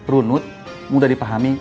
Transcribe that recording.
runut mudah dipahami